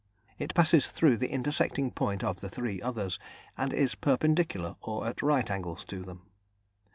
It passes through the intersecting point of the three others, and is perpendicular or at right angles to them.